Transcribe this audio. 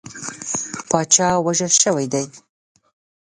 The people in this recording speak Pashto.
پاچا وژل شوی دی.